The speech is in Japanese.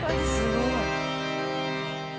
すごい。